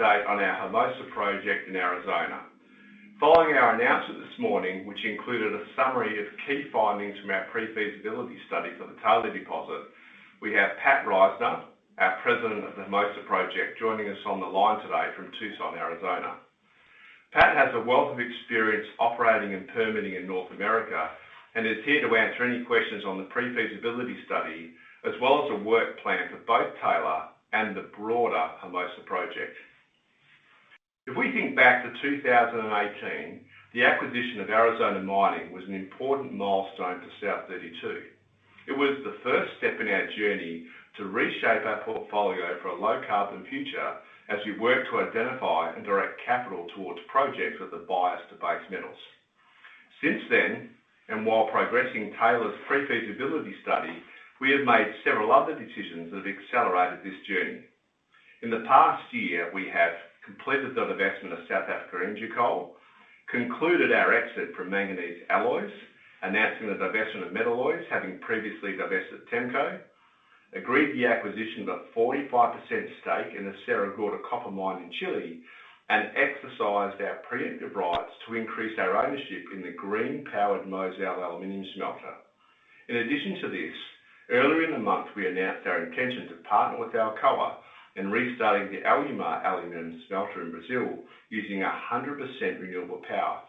Update on our Hermosa project in Arizona. Following our announcement this morning, which included a summary of key findings from our pre-feasibility study for the Taylor deposit, we have Pat Risner, our President of the Hermosa Project, joining us on the line today from Tucson, Arizona. Pat has a wealth of experience operating and permitting in North America, and is here to answer any questions on the pre-feasibility study, as well as a work plan for both Taylor and the broader Hermosa project. If we think back to 2018, the acquisition of Arizona Mining was an important milestone for South32. It was the first step in our journey to reshape our portfolio for a low-carbon future, as we work to identify and direct capital towards projects with a bias to base metals. Since then, while progressing Taylor's pre-feasibility study, we have made several other decisions that have accelerated this journey. In the past year, we have completed the divestment of South Africa Energy Coal, concluded our exit from Manganese Alloys, announcement of divestment of Metalloys, having previously divested Temco, agreed to the acquisition of a 45% stake in the Sierra Gorda copper mine in Chile, and exercised our preemptive rights to increase our ownership in the green-powered Mozal aluminium smelter. In addition to this, earlier in the month, we announced our intention to partner with Alcoa in restarting the Alumar aluminium smelter in Brazil using 100% renewable power.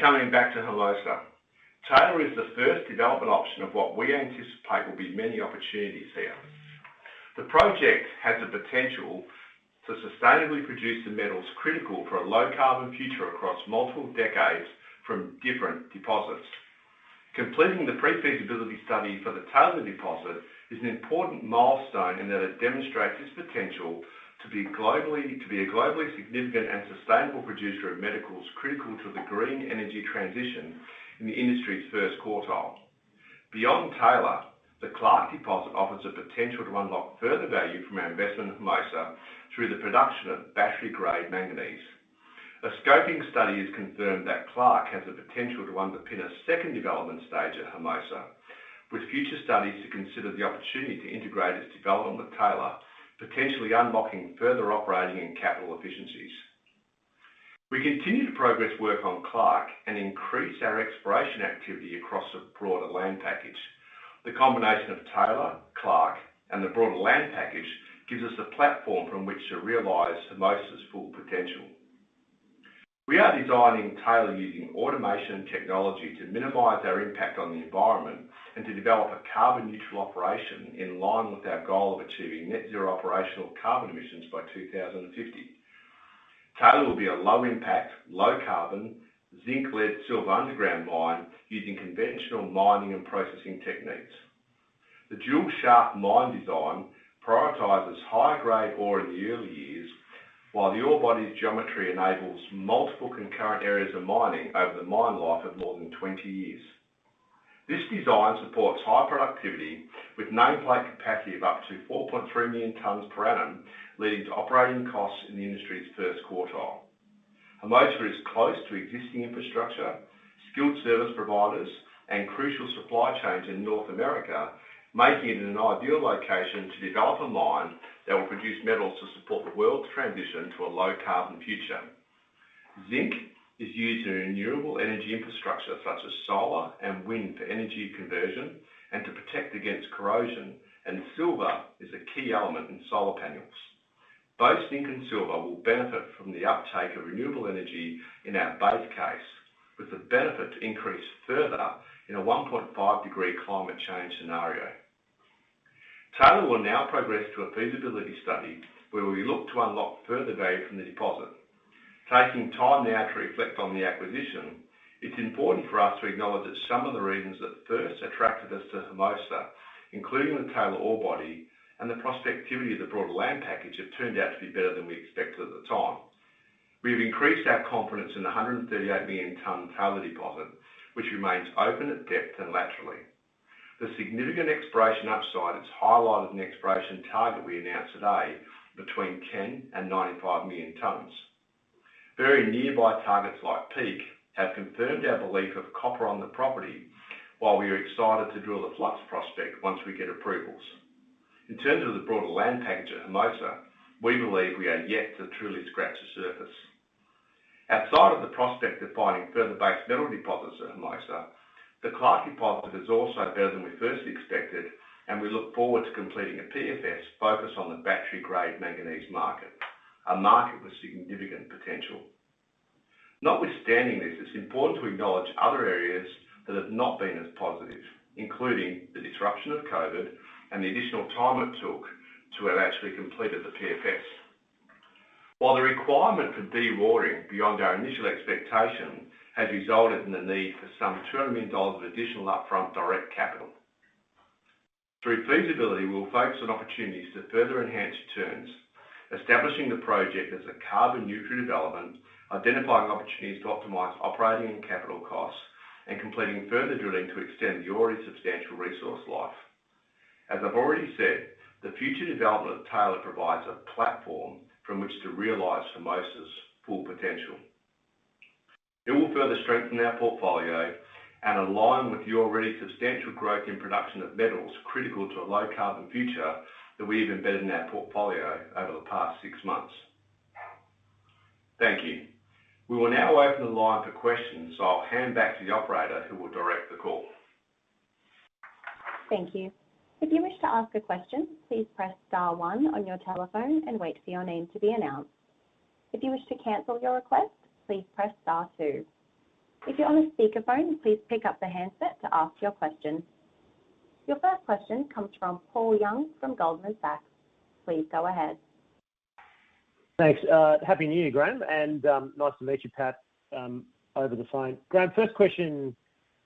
Coming back to Hermosa, Taylor is the first development option of what we anticipate will be many opportunities here. The project has the potential to sustainably produce the metals critical for a low-carbon future across multiple decades from different deposits. Completing the pre-feasibility study for the Taylor deposit is an important milestone in that it demonstrates its potential to be a globally significant and sustainable producer of metals critical to the green energy transition in the industry's first quartile. Beyond Taylor, the Clark deposit offers the potential to unlock further value from our investment in Hermosa through the production of battery-grade manganese. A scoping study has confirmed that Clark has the potential to underpin a second development stage at Hermosa, with future studies to consider the opportunity to integrate its development with Taylor, potentially unlocking further operating and capital efficiencies. We continue to progress work on Clark and increase our exploration activity across a broader land package. The combination of Taylor, Clark, and the broader land package gives us a platform from which to realize Hermosa's full potential. We are designing Taylor using automation technology to minimize our impact on the environment and to develop a carbon-neutral operation in line with our goal of achieving net zero operational carbon emissions by 2050. Taylor will be a low-impact, low-carbon, zinc-lead-silver underground mine using conventional mining and processing techniques. The dual shaft mine design prioritizes high-grade ore in the early years, while the ore body's geometry enables multiple concurrent areas of mining over the mine life of more than 20 years. This design supports high productivity with nameplate capacity of up to 4.3 million tons per annum, leading to operating costs in the industry's first quartile. Hermosa is close to existing infrastructure, skilled service providers, and crucial supply chains in North America, making it an ideal location to develop a mine that will produce metals to support the world's transition to a low-carbon future. Zinc is used in renewable energy infrastructure such as solar and wind for energy conversion and to protect against corrosion, and silver is a key element in solar panels. Both zinc and silver will benefit from the uptake of renewable energy in our base case, with the benefit to increase further in a 1.5-degree climate change scenario. Taylor will now progress to a feasibility study where we look to unlock further value from the deposit. Taking time now to reflect on the acquisition, it's important for us to acknowledge that some of the reasons that first attracted us to Hermosa, including the Taylor ore body and the prospectivity of the broader land package, have turned out to be better than we expected at the time. We have increased our confidence in the 138 million ton Taylor deposit, which remains open at depth and laterally. The significant exploration upside is highlighted in the exploration target we announced today between 10 million -95 million tons. Very nearby targets like Peak have confirmed our belief of copper on the property, while we are excited to drill the Flux prospect once we get approvals. In terms of the broader land package at Hermosa, we believe we are yet to truly scratch the surface. Outside of the prospect of finding further base metal deposits at Hermosa, the Clark deposit is also better than we first expected, and we look forward to completing a PFS focused on the battery-grade manganese market, a market with significant potential. Notwithstanding this, it's important to acknowledge other areas that have not been as positive, including the disruption of COVID and the additional time it took to have actually completed the PFS. While the requirement for dewatering beyond our initial expectation has resulted in the need for some $200 million of additional upfront direct capital. Through feasibility, we'll focus on opportunities to further enhance returns, establishing the project as a carbon-neutral development, identifying opportunities to optimize operating and capital costs, and completing further drilling to extend the already substantial resource life. As I've already said, the future development of Taylor provides a platform from which to realize Hermosa's full potential. It will further strengthen our portfolio and align with the already substantial growth in production of metals critical to a low carbon future that we have embedded in our portfolio over the past six months. Thank you. We will now open the line for questions. I'll hand back to the operator who will direct the call. Thank you. Your first question comes from Paul Young from Goldman Sachs. Please go ahead. Thanks. Happy New Year, Graham, and nice to meet you, Pat, over the phone. Graham, first question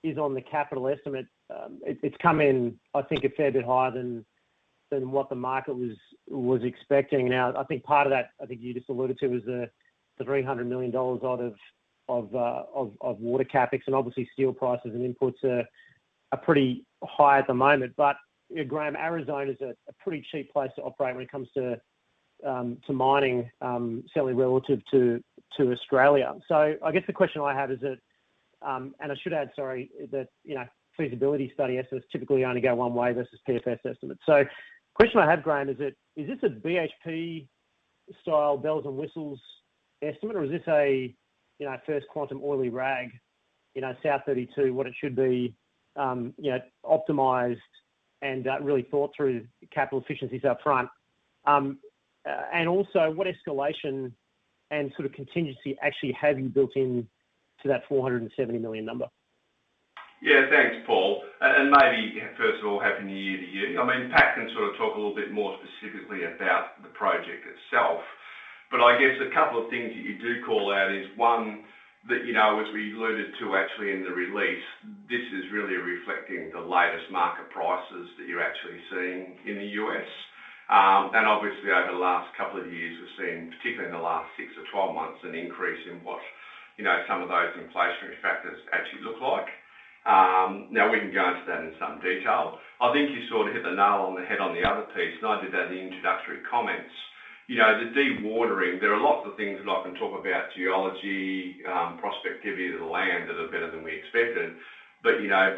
is on the capital estimate. It's come in, I think, a fair bit higher than what the market was expecting. Now, I think part of that, I think you just alluded to, is the $300 million odd of water CapEx. Obviously steel prices and inputs are pretty high at the moment. You know, Graham, Arizona is a pretty cheap place to operate when it comes to mining, certainly relative to Australia. I guess the question I have is that, and I should add, sorry, that, you know, feasibility study estimates typically only go one way versus PFS estimates. The question I have, Graham, is that, is this a BHP style bells and whistles estimate or is this a, you know, First Quantum oily rag, you know, South32, what it should be, you know, optimized and really thought through capital efficiencies up front? And also what escalation and sort of contingency actually have you built in to that $470 million number? Yeah, thanks, Paul. Maybe, first of all, happy new year to you. I mean, Pat can sort of talk a little bit more specifically about the project itself, but I guess a couple of things that you do call out is, one, that, you know, as we alluded to actually in the release, this is really reflecting the latest market prices that you're actually seeing in the U.S. And obviously over the last couple of years, we've seen, particularly in the last six or 12 months, an increase in what, you know, some of those inflationary factors actually look like. Now we can go into that in some detail. I think you sort of hit the nail on the head on the other piece, and I did that in the introductory comments. You know, the dewatering, there are lots of things that I can talk about, geology, prospectivity of the land that are better than we expected. You know,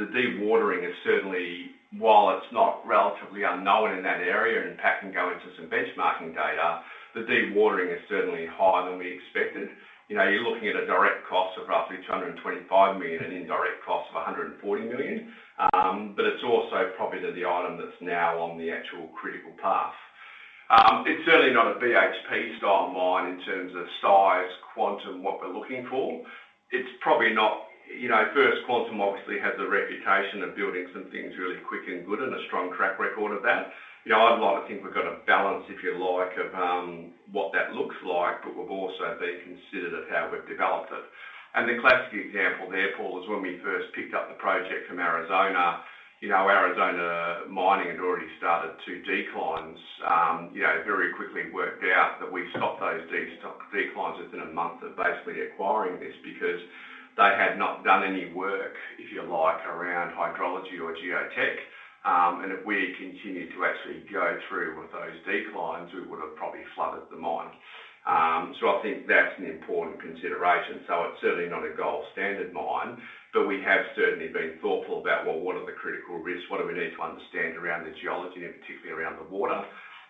the dewatering is certainly, while it's not relatively unknown in that area, and Pat can go into some benchmarking data, the dewatering is certainly higher than we expected. You know, you're looking at a direct cost of roughly $225 million and indirect cost of $140 million. But it's also probably the item that's now on the actual critical path. It's certainly not a BHP style mine in terms of size, quantum, what we're looking for, it's probably not. You know, First Quantum obviously has the reputation of building some things really quick and good and a strong track record of that. You know, I'd like to think we've got a balance, if you like, of what that looks like, but we've also been considerate of how we've developed it. The classic example there, Paul, is when we first picked up the project from Arizona Mining. You know, Arizona Mining had already started two declines. Very quickly worked out that we stopped those declines within a month of basically acquiring this because they had not done any work, if you like, around hydrology or geotech. If we continued to actually go through with those declines, we would have probably flooded the mine. I think that's an important consideration. It's certainly not a gold standard mine. We have certainly been thoughtful about, well, what are the critical risks? What do we need to understand around the geology and particularly around the water?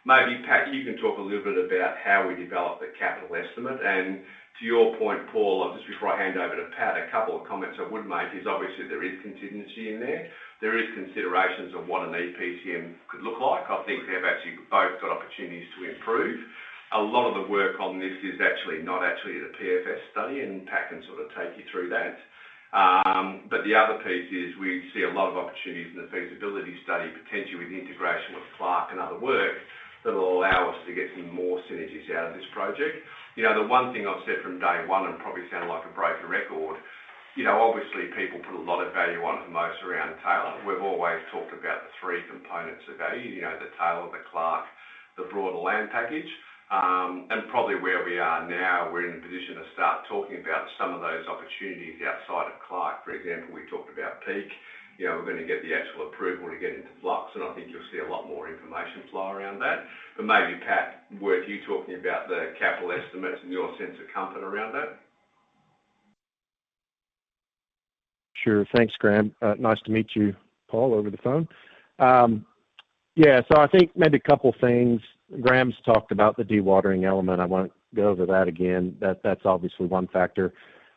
Maybe, Pat, you can talk a little bit about how we develop the capital estimate. To your point, Paul, just before I hand over to Pat, a couple of comments I would make is obviously there is contingency in there. There is considerations of what an EPCM could look like. I think they've actually both got opportunities to improve. A lot of the work on this is actually not the PFS study and Pat can sort of take you through that. The other piece is we see a lot of opportunities in the feasibility study, potentially with integration with Clark and other work that will allow us to get some more synergies out of this project. You know, the one thing I've said from day one and probably sound like a broken record, you know, obviously people put a lot of value on Hermosa around Taylor. We've always talked about the three components of value. You know, the Taylor, the Clark, the broader land package. And probably where we are now, we're in a position to start talking about some of those opportunities outside of Clark. For example, we talked about Peak. You know, we're gonna get the actual approval to get into Flux, and I think you'll see a lot more information flow around that. Maybe, Pat, worth you talking about the capital estimates and your sense of comfort around that. Sure. Thanks, Graham. Nice to meet you, Paul, over the phone. Yeah, I think maybe a couple of things. Graham's talked about the dewatering element. I won't go over that again. That's obviously one factor.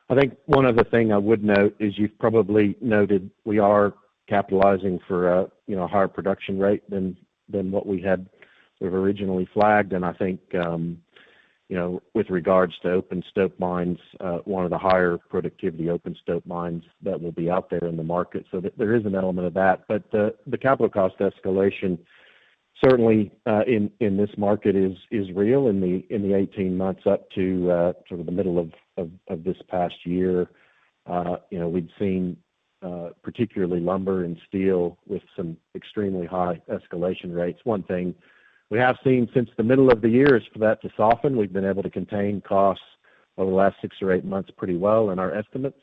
I think one other thing I would note is you've probably noted we are capitalizing for a, you know, higher production rate than what we've originally flagged. I think, you know, with regards to open stope mines, one of the higher productivity open stope mines that will be out there in the market. There is an element of that. The capital cost escalation certainly in this market is real. In the 18 months up to sort of the middle of this past year, you know, we'd seen particularly lumber and steel with some extremely high escalation rates. One thing we have seen since the middle of the year is for that to soften. We've been able to contain costs over the last six or eight months pretty well in our estimates.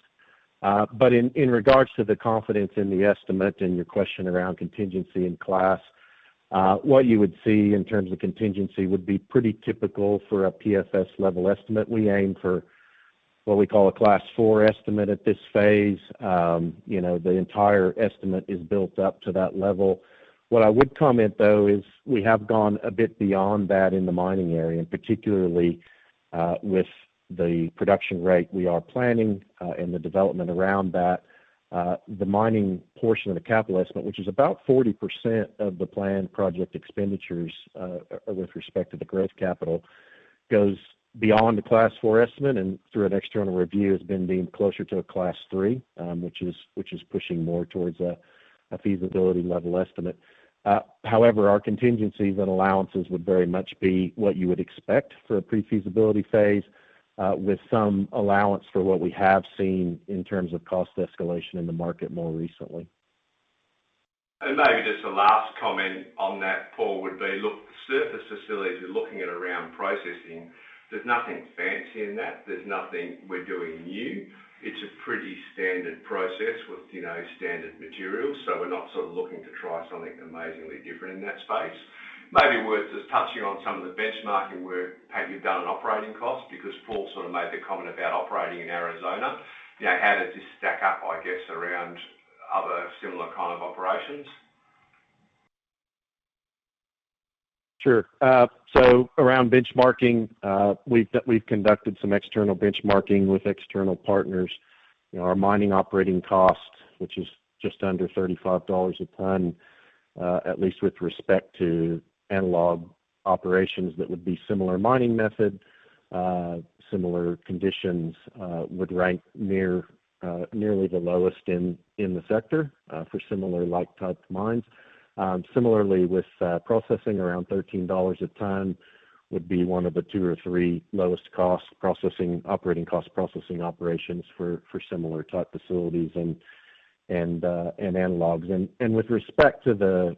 In regards to the confidence in the estimate and your question around contingency and class, what you would see in terms of contingency would be pretty typical for a PFS level estimate. We aim for what we call a Class 4 estimate at this phase. You know, the entire estimate is built up to that level. What I would comment, though, is we have gone a bit beyond that in the mining area, and particularly, with the production rate we are planning, and the development around that. The mining portion of the capital estimate, which is about 40% of the planned project expenditures, with respect to the growth capital, goes beyond a Class 4 estimate, and through an external review has been deemed closer to a Class 3, which is pushing more towards a feasibility level estimate. However, our contingencies and allowances would very much be what you would expect for a pre-feasibility phase, with some allowance for what we have seen in terms of cost escalation in the market more recently. Maybe just a last comment on that, Paul, would be, look, the surface facilities we're looking at around processing, there's nothing fancy in that. There's nothing we're doing new. It's a pretty standard process with, you know, standard materials. So we're not sort of looking to try something amazingly different in that space. Maybe worth just touching on some of the benchmarking work. Pat, you've done an operating cost because Paul sort of made the comment about operating in Arizona. You know, how does this stack up, I guess, around other similar kind of operations? Sure. So around benchmarking, we've conducted some external benchmarking with external partners. You know, our mining operating cost, which is just under $35 a ton, at least with respect to analog operations, that would be similar mining method, similar conditions, would rank nearly the lowest in the sector for similar like type mines. Similarly with processing around $13 a ton would be one of the two or three lowest cost processing, operating cost processing operations for similar type facilities and analogs. With respect to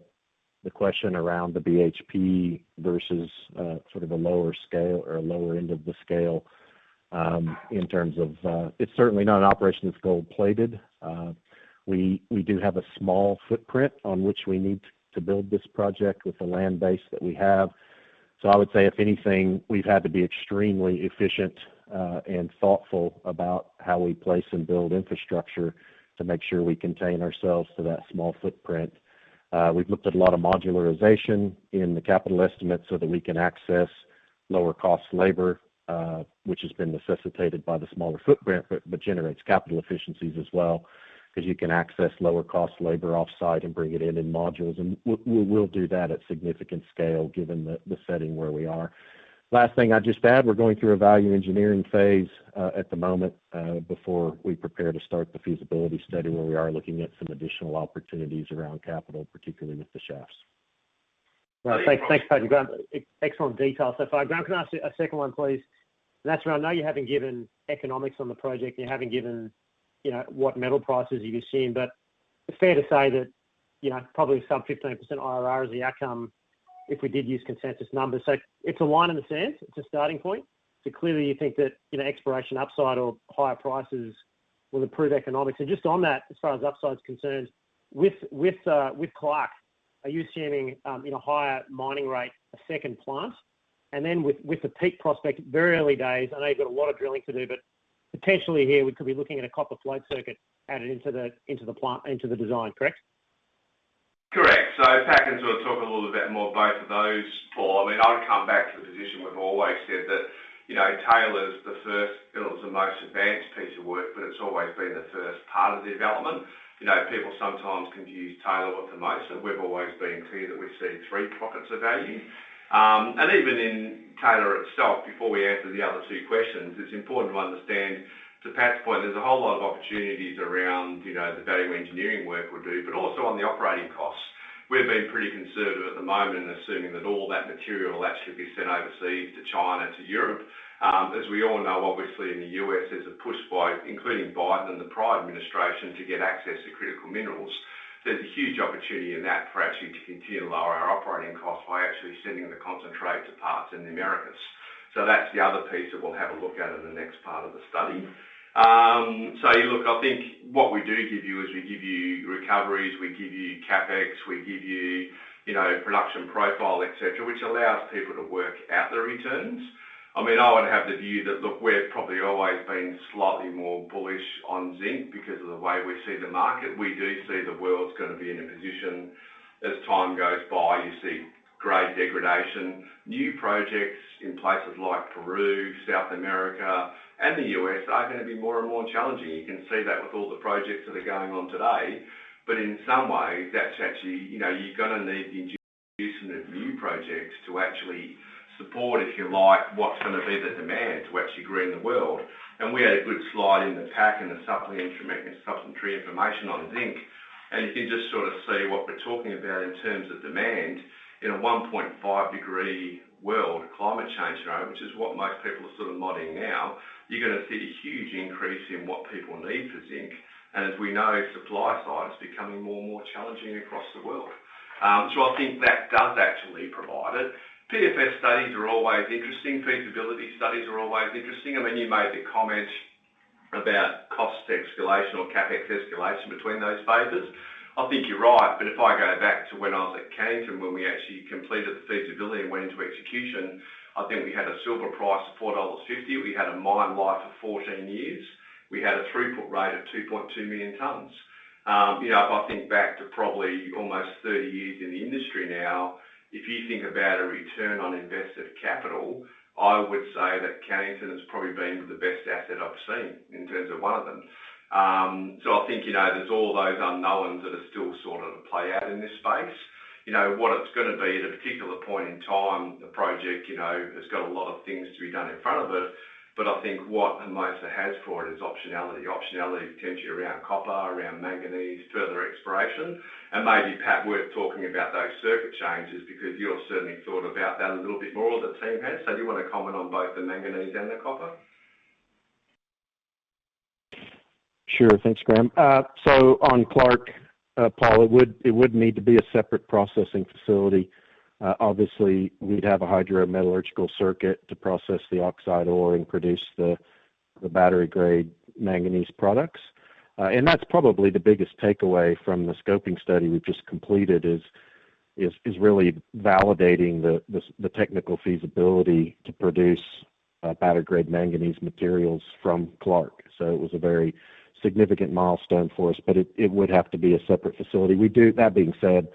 the question around the BHP versus sort of a lower scale or a lower end of the scale, in terms of. It's certainly not an operation that's gold-plated. We do have a small footprint on which we need to build this project with the land base that we have. So I would say, if anything, we've had to be extremely efficient, and thoughtful about how we place and build infrastructure to make sure we contain ourselves to that small footprint. We've looked at a lot of modularization in the capital estimate so that we can access lower cost labor, which has been necessitated by the smaller footprint, but generates capital efficiencies as well, 'cause you can access lower cost labor off-site and bring it in in modules. We'll do that at significant scale given the setting where we are. Last thing I'd just add, we're going through a value engineering phase at the moment before we prepare to start the feasibility study, where we are looking at some additional opportunities around capital, particularly with the shafts. Well, thanks. Thanks, Pat Risner and Graham Kerr. Excellent detail so far. Graham Kerr, can I ask you a second one, please? That's around, I know you haven't given economics on the project. You haven't given, you know, what metal prices you've seen. But is it fair to say that, you know, probably some 15% IRR is the outcome if we did use consensus numbers. It's a line in the sand. It's a starting point. Clearly, you think that, you know, exploration upside or higher prices will improve economics. Just on that, as far as upside is concerned, with Clark, are you assuming in a higher mining rate, a second plant? With the Peak prospect, very early days, I know you've got a lot of drilling to do, but potentially here we could be looking at a copper float circuit added into the plant, into the design, correct? Correct. Pat can sort of talk a little bit more both of those, Paul. I mean, I would come back to the position we've always said that, you know, Taylor's the first, it was the most advanced piece of work, but it's always been the first part of the development. You know, people sometimes confuse Taylor with Hermosa. We've always been clear that we've seen three pockets of value. Even in Taylor itself, before we answer the other two questions, it's important to understand, to Pat's point, there's a whole lot of opportunities around, you know, the value engineering work we do, but also on the operating costs. We've been pretty conservative at the moment, assuming that all that material will actually be sent overseas to China, to Europe. As we all know, obviously, in the U.S., there's a push by, including Biden and the prior administration, to get access to critical minerals. There's a huge opportunity in that for us actually to continue to lower our operating costs by actually sending the concentrate to ports in the Americas. That's the other piece that we'll have a look at in the next part of the study. So look, I think what we do give you is we give you recoveries, we give you CapEx, we give you know, production profile, et cetera, which allows people to work out the returns. I mean, I would have the view that, look, we've probably always been slightly more bullish on zinc because of the way we see the market. We do see the world's gonna be in a position as time goes by. You see grade degradation. New projects in places like Peru, South America, and the U.S. are gonna be more and more challenging. You can see that with all the projects that are going on today. In some ways, that's actually, you know, you're gonna need the introduction of new projects to actually support, if you like, what's gonna be the demand to actually green the world. We had a good slide in the pack and the supplementary information on zinc, and you can just sort of see what we're talking about in terms of demand. In a 1.5-degree world, climate change, which is what most people are sort of modeling now, you're gonna see a huge increase in what people need for zinc. As we know, supply side is becoming more and more challenging across the world. So I think that does actually provide it. PFS studies are always interesting. Feasibility studies are always interesting. I mean, you made the comment about cost escalation or CapEx escalation between those phases. I think you're right, but if I go back to when I was at Cannington, when we actually completed the feasibility and went into execution, I think we had a silver price of $4.50. We had a mine life of 14 years. We had a throughput rate of 2.2 million tons. You know, if I think back to probably almost 30 years in the industry now, if you think about a return on invested capital, I would say that Cannington has probably been the best asset I've seen in terms of one of them. I think, you know, there's all those unknowns that are still sort of play out in this space. You know, what it's gonna be at a particular point in time, the project, you know, has got a lot of things to be done in front of it. I think what Hermosa has for it is optionality. Optionality potentially around copper, around manganese, further exploration. Maybe, Pat, worth talking about those circuit changes because you've certainly thought about that a little bit more than the team has. Do you wanna comment on both the manganese and the copper? Sure. Thanks, Graham. On Clark, Paul, it would need to be a separate processing facility. Obviously, we'd have a hydrometallurgical circuit to process the oxide ore and produce the battery-grade manganese products. That's probably the biggest takeaway from the scoping study we've just completed is really validating the technical feasibility to produce battery-grade manganese materials from Clark. It was a very significant milestone for us. It would have to be a separate facility. We do. That being said,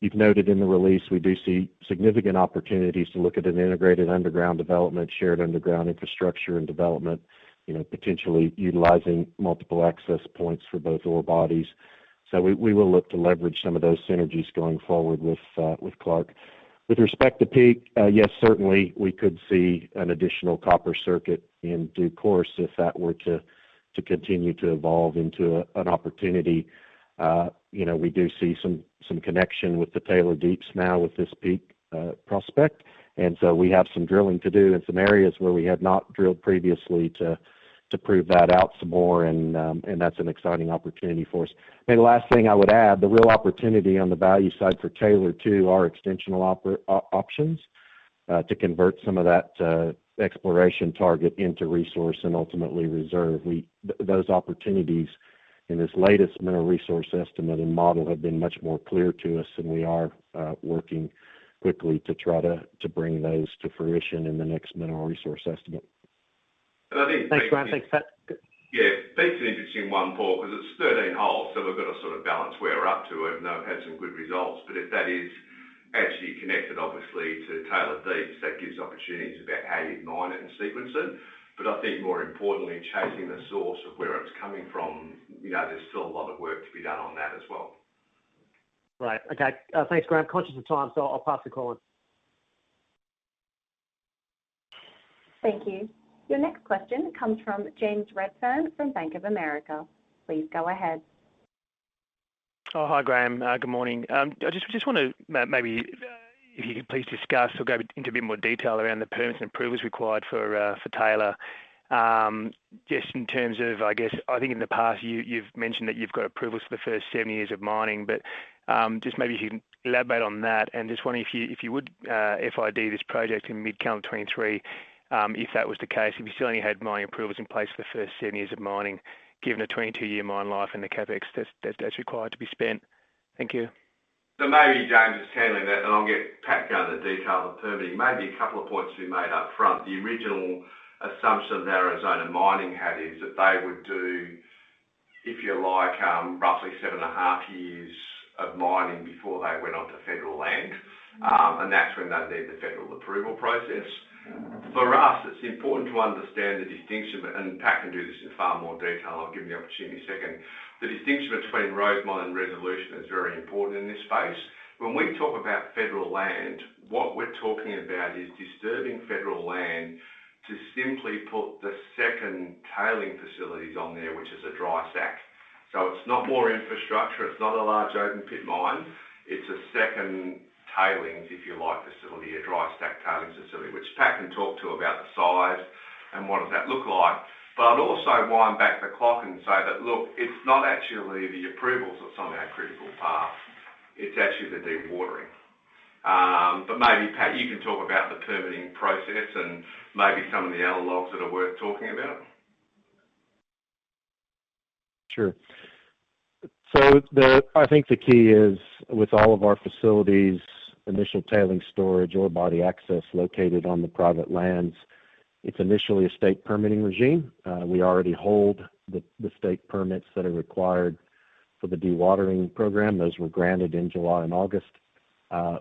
you've noted in the release, we do see significant opportunities to look at an integrated underground development, shared underground infrastructure and development, you know, potentially utilizing multiple access points for both ore bodies. We will look to leverage some of those synergies going forward with Clark. With respect to Peak, yes, certainly, we could see an additional copper circuit in due course if that were to continue to evolve into an opportunity. You know, we do see some connection with the Taylor Deeps now with this Peak prospect. That's an exciting opportunity for us. Maybe last thing I would add, the real opportunity on the value side for Taylor too are extensional options to convert some of that exploration target into resource and ultimately reserve. Those opportunities in this latest mineral resource estimate and model have been much more clear to us, and we are working quickly to try to bring those to fruition in the next mineral resource estimate. I think. Thanks, Graham. Thanks, Pat. Yeah. Peak's an interesting one, Paul, 'cause it's 13 holes, so we've got to sort of balance where we're up to. Even though it had some good results. If that is actually connected obviously to Taylor Deeps, that gives opportunities about how you'd mine it and sequence it. I think more importantly, chasing the source of where it's coming from, you know, there's still a lot of work to be done on that as well. Right. Okay. Thanks, Graham. Conscious of time, so I'll pass the call on. Thank you. Your next question comes from James Redfern from Bank of America. Please go ahead. Oh, hi, Graham. Good morning. I just wanna maybe if you could please discuss or go into a bit more detail around the permits and approvals required for Taylor. Just in terms of, I guess, I think in the past, you've mentioned that you've got approvals for the first seven years of mining, but just maybe if you can elaborate on that. Just wondering if you would FID this project in mid-calendar 2023, if that was the case, if you still only had mining approvals in place for the first seven years of mining, given a 22-year mine life and the CapEx that's required to be spent. Thank you. Maybe, James, just handling that, and I'll get Pat to go into the detail of the permitting. Maybe a couple of points to be made up front. The original assumption that Arizona Mining had is that they would do, if you like, roughly seven and a half years of mining before they went onto federal land. That's when they'd need the federal approval process. For us, it's important to understand the distinction, and Pat can do this in far more detail. I'll give him the opportunity in a second. The distinction between Rosemont and Resolution is very important in this space. When we talk about federal land, what we're talking about is disturbing federal land to simply put the second tailings facilities on there, which is a dry stack. It's not more infrastructure, it's not a large open pit mine. It's a second tailings, if you like, facility, a dry stack tailings facility, which Pat can talk to about the size and what does that look like. I'd also wind back the clock and say that, look, it's not actually the approvals that's on our critical path. It's actually the dewatering. Maybe, Pat, you can talk about the permitting process and maybe some of the analogs that are worth talking about. Sure. I think the key is with all of our facilities, initial tailings storage, ore body access located on the private lands, it's initially a state permitting regime. We already hold the state permits that are required for the dewatering program. Those were granted in July and August.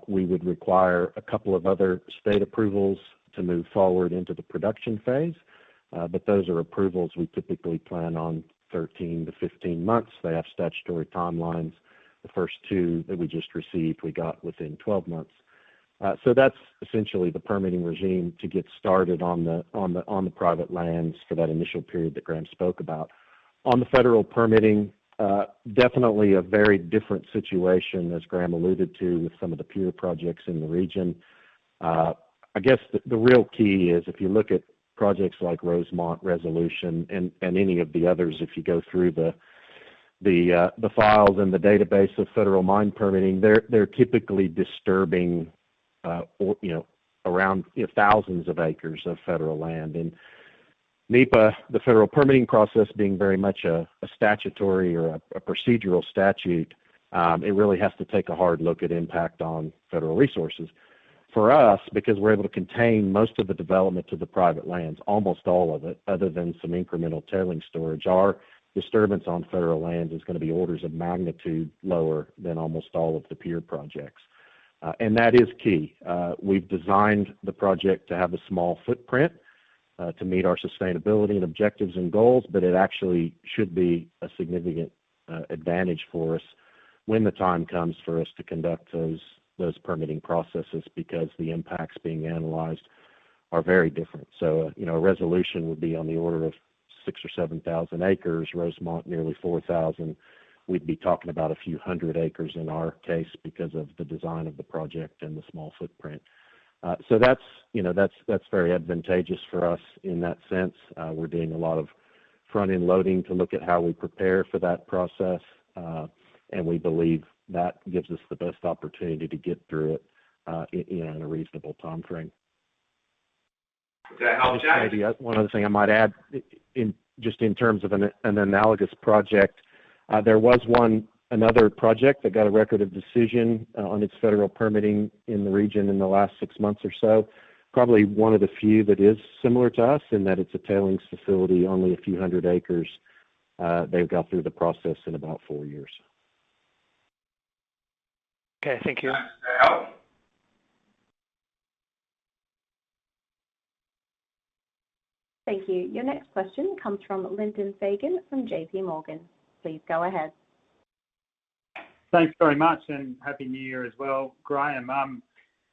We would require a couple of other state approvals to move forward into the production phase. Those are approvals we typically plan on 13-15 months. They have statutory timelines. The first two that we just received, we got within 12 months. That's essentially the permitting regime to get started on the private lands for that initial period that Graham spoke about. On the federal permitting, definitely a very different situation, as Graham alluded to, with some of the peer projects in the region. I guess the real key is if you look at projects like Rosemont, Resolution and any of the others, if you go through the files and the database of federal mine permitting, they're typically disturbing, or, you know, around thousands of acres of federal land. NEPA, the federal permitting process being very much a statutory or a procedural statute, it really has to take a hard look at impact on federal resources. For us, because we're able to contain most of the development to the private lands, almost all of it, other than some incremental tailings storage, our disturbance on federal lands is gonna be orders of magnitude lower than almost all of the peer projects. That is key. We've designed the project to have a small footprint to meet our sustainability objectives and goals, but it actually should be a significant advantage for us when the time comes for us to conduct those permitting processes because the impacts being analyzed are very different. You know, Resolution would be on the order of 6,000-7,000 acres, Rosemont nearly 4,000 acres. We'd be talking about a few hundred acres in our case because of the design of the project and the small footprint. That's, you know, that's very advantageous for us in that sense. We're doing a lot of front-end loading to look at how we prepare for that process, and we believe that gives us the best opportunity to get through it in a reasonable timeframe. Is that helpful, James? Maybe one other thing I might add in, just in terms of an analogous project. There was another project that got a Record of Decision on its federal permitting in the region in the last six months or so. Probably one of the few that is similar to us in that it's a tailings facility, only a few hundred acres. They got through the process in about four years. Okay. Thank you. Thank you. Your next question comes from Lyndon Fagan from JPMorgan. Please go ahead. Thanks very much, and Happy New Year as well, Graham.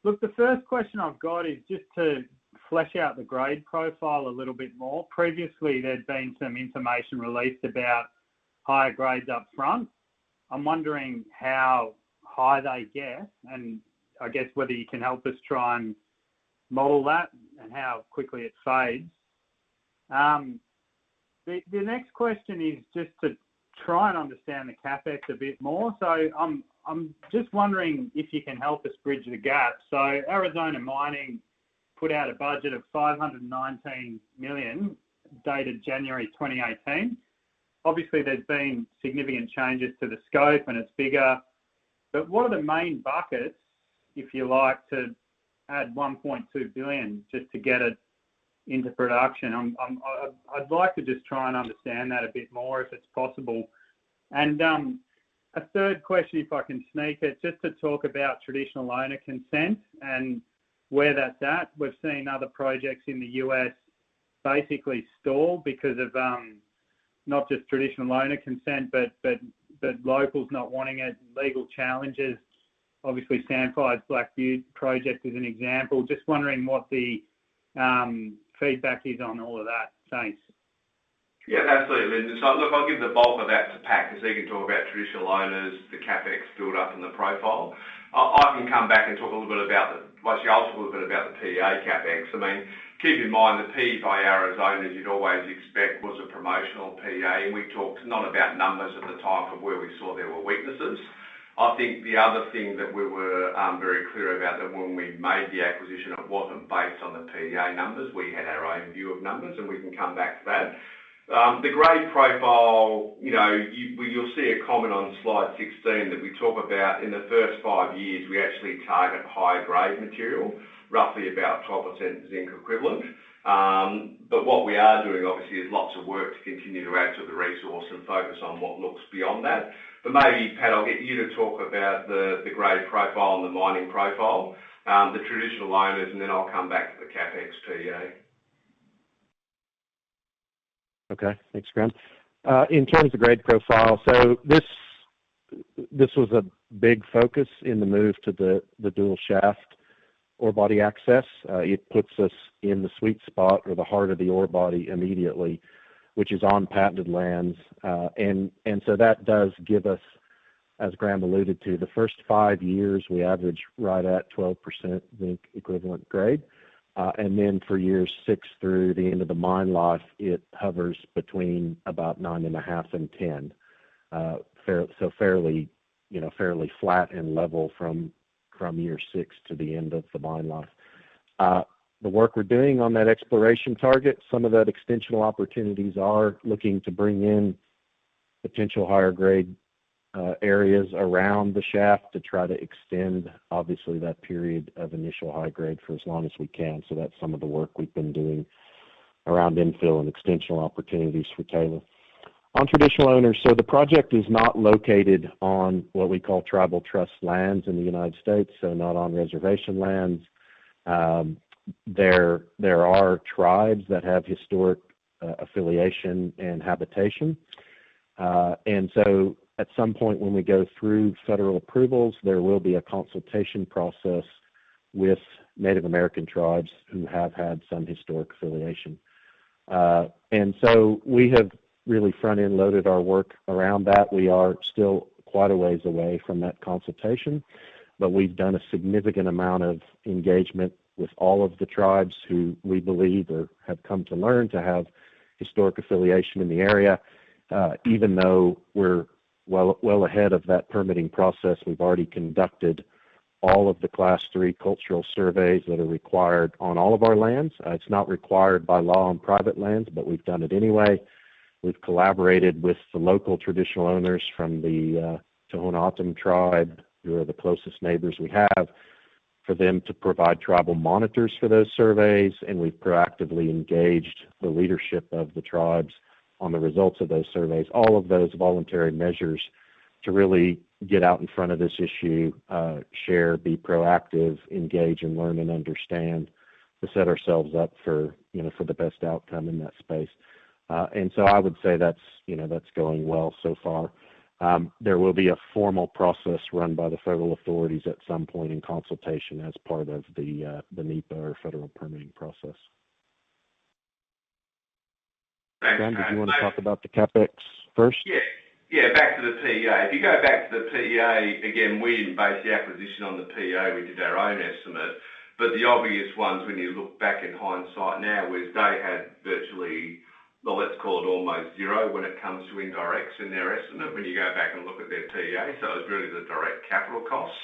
Look, the first question I've got is just to flesh out the grade profile a little bit more. Previously, there'd been some information released about higher grades up front. I'm wondering how high they get, and I guess whether you can help us try and model that and how quickly it fades. The next question is just to try and understand the CapEx a bit more. I'm just wondering if you can help us bridge the gap. Arizona Mining put out a budget of $519 million, dated January 2018. Obviously, there's been significant changes to the scope and its figure. What are the main buckets, if you like, to add $1.2 billion just to get it into production? I'd like to just try and understand that a bit more, if it's possible. A third question, if I can sneak it, just to talk about traditional owner consent and where that's at. We've seen other projects in the U.S. basically stall because of not just traditional owner consent, but locals not wanting it, legal challenges. Obviously, Sandfire's Black Butte project is an example. Just wondering what the feedback is on all of that. Thanks. Yeah, absolutely. Look, I'll give the bulk of that to Pat, 'cause he can talk about traditional owners, the CapEx build-up and the profile. I can come back and talk a little bit about the PEA CapEx. Well, actually I'll talk a little bit about the PEA CapEx. I mean, keep in mind the PEA by Arizona Mining, as you'd always expect, was a promotional PEA. We talked not about numbers at the time, but where we saw there were weaknesses. I think the other thing that we were very clear about that when we made the acquisition, it wasn't based on the PEA numbers. We had our own view of numbers, and we can come back to that. The grade profile, you know, you'll see a comment on Slide 16 that we talk about in the first five years. We actually target higher grade material, roughly about 12% zinc equivalent. What we are doing obviously is lots of work to continue to add to the resource and focus on what looks beyond that. Maybe, Pat, I'll get you to talk about the grade profile and the mining profile, the traditional owners, and then I'll come back to the CapEx PEA. Okay. Thanks, Graham. In terms of grade profile, this was a big focus in the move to the dual shaft ore body access. It puts us in the sweet spot or the heart of the ore body immediately, which is on patented lands. And so that does give us, as Graham alluded to, the first five years, we average right at 12% zinc equivalent grade. And then for years six through the end of the mine life, it hovers between about 9.5% and 10%. Fairly, you know, fairly flat and level from year six to the end of the mine life. The work we're doing on that exploration target, some of that extensional opportunities are looking to bring in potential higher grade areas around the shaft to try to extend obviously that period of initial high grade for as long as we can. That's some of the work we've been doing around infill and extensional opportunities for Taylor. On traditional owners, the project is not located on what we call tribal trust lands in the United States, so not on reservation lands. There are tribes that have historic affiliation and habitation. At some point when we go through federal approvals, there will be a consultation process with Native American tribes who have had some historic affiliation. We have really front-end loaded our work around that. We are still quite a ways away from that consultation, but we've done a significant amount of engagement with all of the tribes who we believe or have come to learn to have historic affiliation in the area. Even though we're well, well ahead of that permitting process, we've already conducted all of the Class 3 cultural surveys that are required on all of our lands. It's not required by law on private lands, but we've done it anyway. We've collaborated with the local traditional owners from the Tohono O'odham tribe, who are the closest neighbors we have, for them to provide tribal monitors for those surveys, and we've proactively engaged the leadership of the tribes on the results of those surveys. All of those voluntary measures to really get out in front of this issue, share, be proactive, engage and learn and understand, to set ourselves up for, you know, for the best outcome in that space. I would say that's, you know, that's going well so far. There will be a formal process run by the federal authorities at some point in consultation as part of the NEPA or federal permitting process. Thanks, Graham. Graham, did you wanna talk about the CapEx first? Yeah. Yeah, back to the PEA. If you go back to the PEA, again, we didn't base the acquisition on the PEA. We did our own estimate. The obvious ones, when you look back in hindsight now, was they had virtually, well, let's call it almost zero when it comes to indirects in their estimate, when you go back and look at their PEA. So it was really the direct capital costs.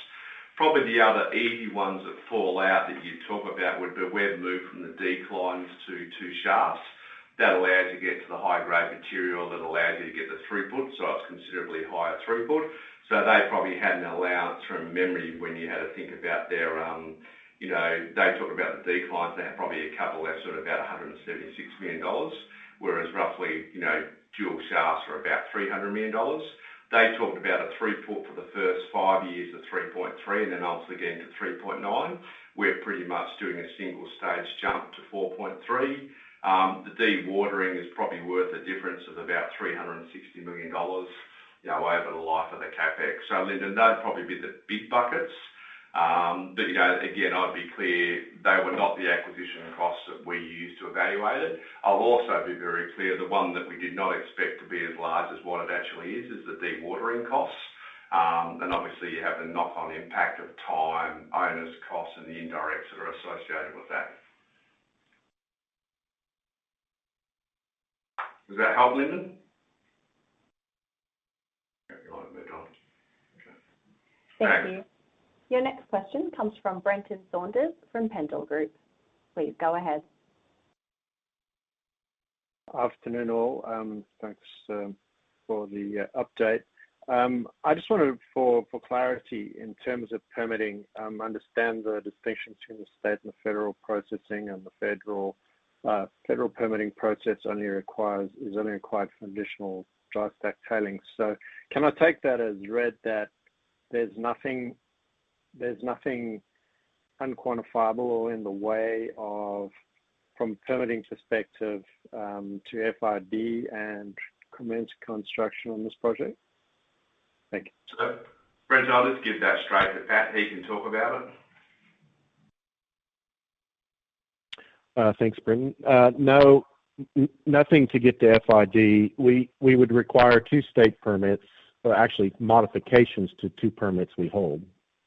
Probably the other easy ones that fall out that you talk about would be where the move from the declines to two shafts. That allows you to get to the high-grade material that allows you to get the throughput, so it's considerably higher throughput. So they probably had an allowance from memory when you had a think about their, you know, they talked about the declines. They had probably a couple less, sort of about $176 million, whereas roughly, you know, dual shafts are about $300 million. They talked about a throughput for the first five years of 3.3%, and then ultimately getting to 3.9%. We're pretty much doing a single stage jump to 4.3%. The dewatering is probably worth a difference of about $360 million, you know, over the life of the CapEx. Lyndon, they'd probably be the big buckets. But you know, again, I'd be clear, they were not the acquisition costs that we used to evaluate it. I'll also be very clear, the one that we did not expect to be as large as what it actually is the dewatering costs. Obviously you have the knock-on impact of time, owners costs and the indirects that are associated with that. Does that help, Lyndon? Okay, you wanna move on. Okay. Thank you. Your next question comes from Brenton Saunders from Pendal Group. Please go ahead. Afternoon, all. Thanks for the update. I just wanted, for clarity in terms of permitting, to understand the distinction between the state and the federal processing and the federal permitting process, which is only required for additional dry stack tailings. Can I take that as read that there's nothing unquantifiable or in the way of, from permitting perspective, to FID and commence construction on this project? Thank you. Brenton, I'll just give that straight to Pat. He can talk about it. Thanks, Brenton. No, nothing to get to FID. We would require two state permits or actually modifications to two permits we hold.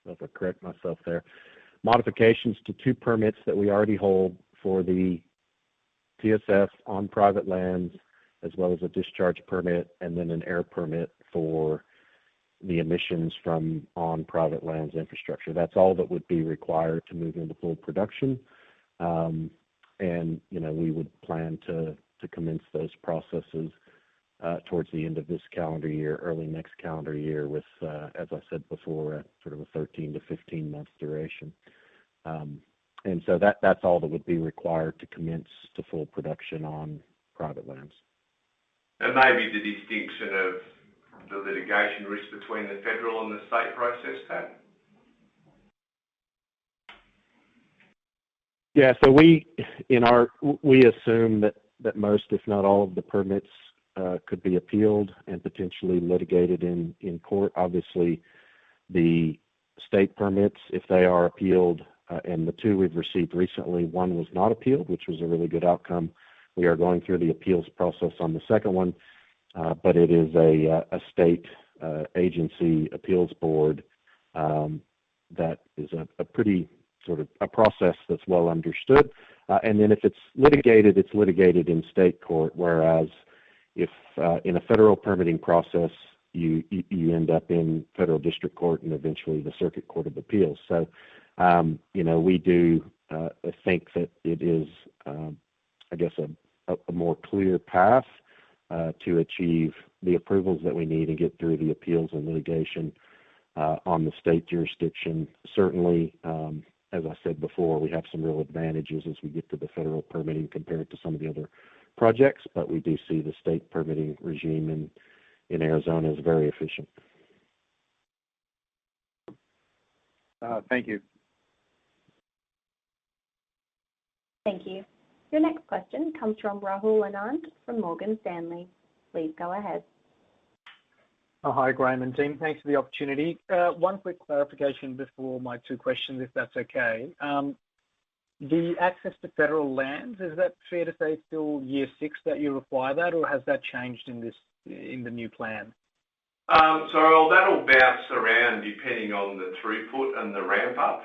I'll correct myself there. Modifications to two permits that we already hold for the TSF on private lands, as well as a discharge permit and then an air permit for the emissions from on private lands infrastructure. That's all that would be required to move into full production. You know, we would plan to commence those processes towards the end of this calendar year, early next calendar year with, as I said before, a sort of 13-15 months duration. That's all that would be required to commence to full production on private lands. Maybe the distinction of the litigation risk between the federal and the state process, Pat. We assume that most, if not all of the permits could be appealed and potentially litigated in court. Obviously, the state permits, if they are appealed, and the two we've received recently, one was not appealed, which was a really good outcome. We are going through the appeals process on the second one, but it is a state agency appeals board that is a pretty sort of process that's well understood. If it's litigated, it's litigated in state court, whereas in a federal permitting process, you end up in federal district court and eventually the circuit court of appeals. You know, we do think that it is, I guess, a more clear path to achieve the approvals that we need and get through the appeals and litigation on the state jurisdiction. Certainly, as I said before, we have some real advantages as we get to the federal permitting compared to some of the other projects. We do see the state permitting regime in Arizona is very efficient. Thank you. Thank you. Your next question comes from Rahul Anand from Morgan Stanley. Please go ahead. Oh, hi, Graham and team. Thanks for the opportunity. One quick clarification before my two questions, if that's okay. The access to federal lands, is that fair to say till year six that you require that, or has that changed in this, in the new plan? That'll bounce around depending on the throughput and the ramp up.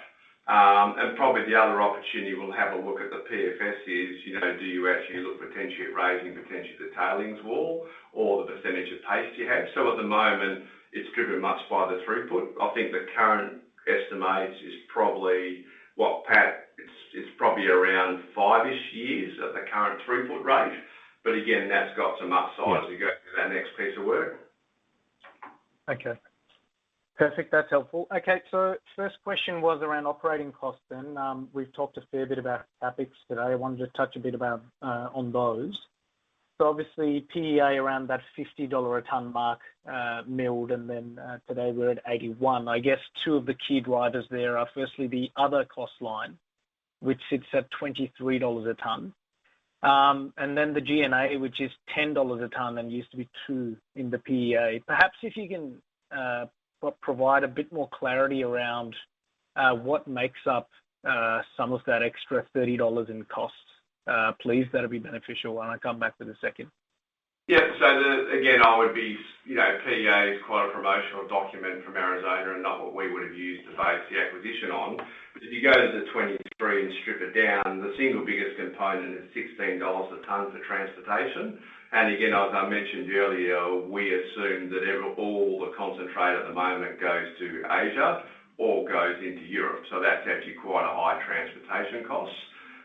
Probably the other opportunity we'll have a look at the PFS is, you know, do you actually look potentially at raising potentially the tailings wall or the percentage of paste you have. At the moment, it's driven much by the throughput. I think the current estimate is probably what, Pat, it's probably around five-ish years at the current throughput rate. Again, that's got some upsides as we go through that next piece of work. Okay. Perfect. That's helpful. Okay. First question was around operating costs then. We've talked a fair bit about CapEx today. I wanted to touch a bit about on those. Obviously, PEA around that $50 a ton mark, milled, and then today we're at $81. I guess two of the key drivers there are firstly the other cost line, which sits at $23 a ton. And then the G&A, which is $10 a ton and used to be $2 in the PEA. Perhaps if you can provide a bit more clarity around what makes up some of that extra $30 in costs, please, that'd be beneficial. Why don't I come back for the second? Yeah. The, again, I would be, you know, PEA is quite a promotional document from Arizona and not what we would have used to base the acquisition on. If you go to the $23 and strip it down, the single biggest component is $16 a ton for transportation. Again, as I mentioned earlier, we assume that every, all the concentrate at the moment goes to Asia or goes into Europe. That's actually quite a high transportation cost.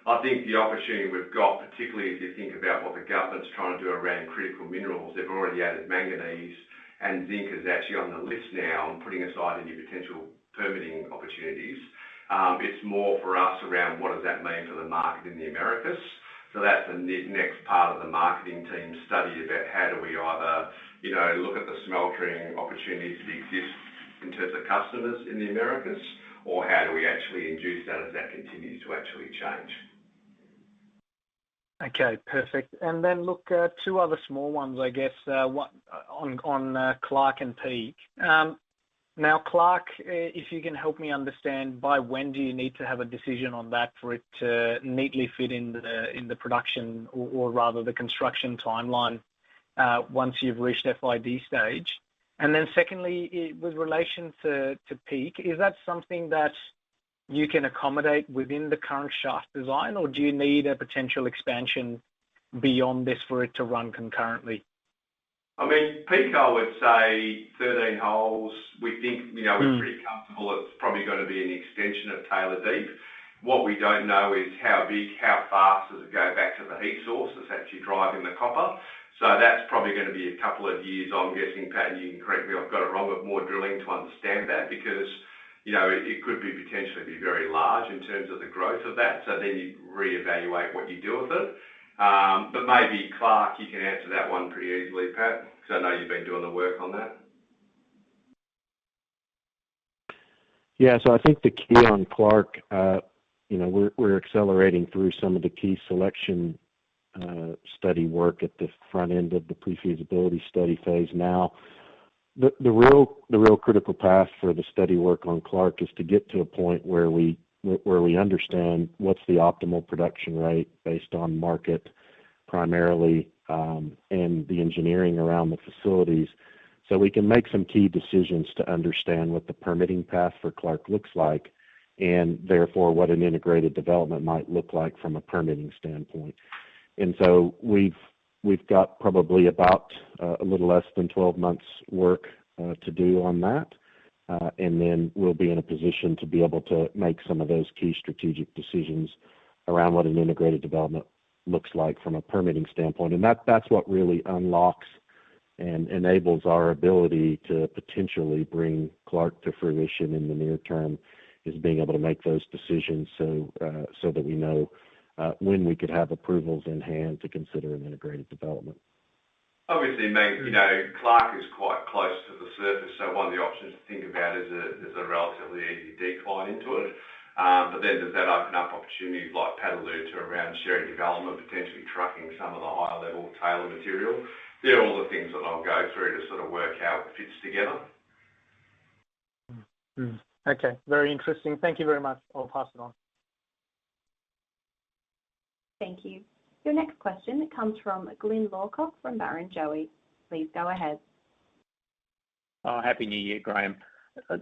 I think the opportunity we've got, particularly if you think about what the government's trying to do around critical minerals, they've already added manganese, and zinc is actually on the list now, and putting aside any potential permitting opportunities. It's more for us around what does that mean for the market in the Americas. That's the next part of the marketing team's study about how do we either, you know, look at the smelting opportunities that exist in terms of customers in the Americas, or how do we actually include that as that continues to actually change. Okay, perfect. Look, two other small ones, I guess. One, on Clark and Peak. Now Clark, if you can help me understand by when do you need to have a decision on that for it to neatly fit in the production or rather the construction timeline once you've reached FID stage. Secondly, with relation to Peak, is that something that you can accommodate within the current shaft design, or do you need a potential expansion beyond this for it to run concurrently? I mean, Peak, I would say 13 holes. We think, you know- Mm. We're pretty comfortable it's probably gonna be an extension of Taylor Deep. What we don't know is how big, how fast does it go back to the heat source that's actually driving the copper. That's probably gonna be a couple of years, I'm guessing. Pat, you can correct me, I've got it wrong, but more drilling to understand that because, you know, it could potentially be very large in terms of the growth of that. Then you reevaluate what you do with it. Maybe Clark, you can answer that one pretty easily, Pat, 'cause I know you've been doing the work on that. I think the key on Clark, you know, we're accelerating through some of the key selection study work at the front end of the pre-feasibility study phase now. The real critical path for the study work on Clark is to get to a point where we understand what's the optimal production rate based on market primarily, and the engineering around the facilities, so we can make some key decisions to understand what the permitting path for Clark looks like, and therefore, what an integrated development might look like from a permitting standpoint. We've got probably about a little less than 12 months work to do on that. We'll be in a position to be able to make some of those key strategic decisions around what an integrated development looks like from a permitting standpoint. That's what really unlocks and enables our ability to potentially bring Clark to fruition in the near term, is being able to make those decisions so that we know when we could have approvals in hand to consider an integrated development. Obviously, mate, you know, Clark is quite close to the surface, so one of the options to think about is a relatively easy decline into it. But then does that open up opportunities like Padaleu to around shared development, potentially trucking some of the higher level Taylor material? They're all the things that I'll go through to sort of work out what fits together. Mm-hmm. Okay. Very interesting. Thank you very much. I'll pass it on. Thank you. Your next question comes from Glyn Lawcock from Barrenjoey. Please go ahead. Oh, Happy New Year, Graham.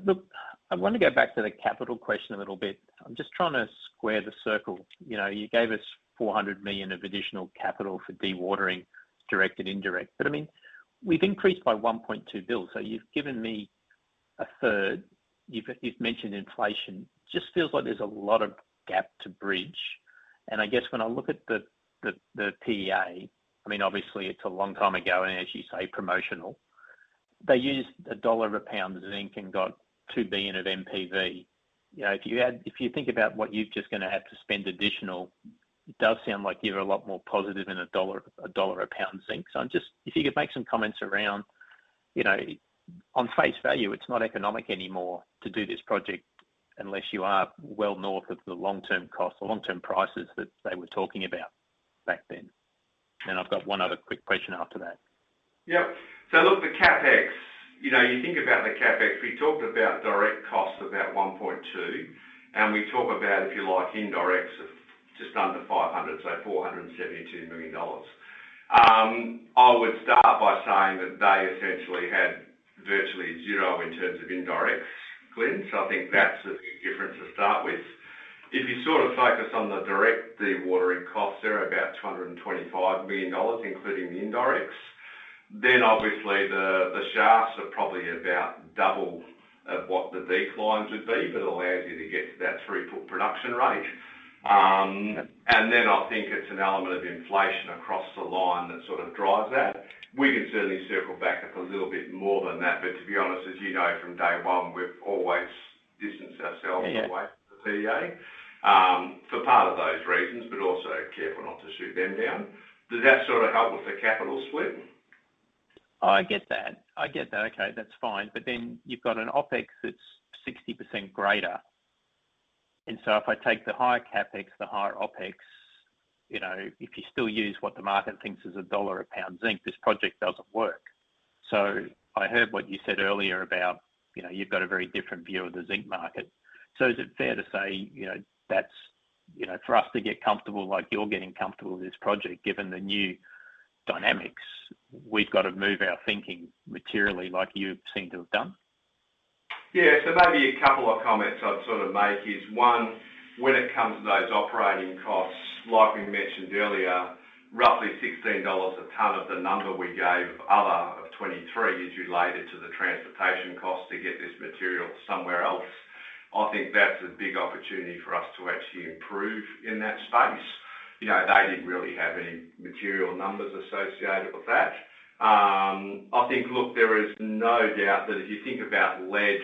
Look, I wanna go back to the capital question a little bit. I'm just trying to square the circle. You know, you gave us $400 million of additional capital for dewatering, direct and indirect. I mean, we've increased by $1.2 billion, so you've given me a third. You've mentioned inflation. Just feels like there's a lot of gap to bridge. I guess when I look at the PEA, I mean, obviously it's a long time ago, and as you say, promotional. They used $1 a pound zinc and got $2 billion of NPV. You know, if you think about what you're just gonna have to spend additional, it does sound like you're a lot more positive than $1 a pound zinc. I'm just, if you could make some comments around, you know, on face value, it's not economic anymore to do this project unless you are well north of the long-term cost or long-term prices that they were talking about back then. I've got one other quick question after that. Yep. Look, the CapEx, you know, you think about the CapEx, we talked about direct costs, about $1.2 billion, and we talk about, if you like, indirects of just under $500 million, so $472 million. I would start by saying that they essentially had virtually zero in terms of indirect, Glyn. I think that's a big difference to start with. If you sort of focus on the direct dewatering costs, they're about $225 million, including the indirects. Obviously the shafts are probably about double of what the declines would be, but allows you to get to that 3 metric ton production rate. I think it's an element of inflation across the line that sort of drives that. We can certainly circle back up a little bit more than that. To be honest, as you know, from day one, we've always distanced ourselves. Yeah. Away from the PEA, for part of those reasons, but also careful not to shoot them down. Does that sort of help with the capital split? I get that. Okay, that's fine. You've got an OpEx that's 60% greater. If I take the higher CapEx, the higher OpEx, you know, if you still use what the market thinks is $1 a pound zinc, this project doesn't work. I heard what you said earlier about, you know, you've got a very different view of the zinc market. Is it fair to say, you know, that's, you know, for us to get comfortable like you're getting comfortable with this project, given the new dynamics, we've got to move our thinking materially like you seem to have done? Yeah. Maybe a couple of comments I'd sort of make is, one, when it comes to those operating costs, like we mentioned earlier, roughly $16 a ton out of the $23 is related to the transportation costs to get this material somewhere else. I think that's a big opportunity for us to actually improve in that space. You know, they didn't really have any material numbers associated with that. I think, look, there is no doubt that if you think about lead,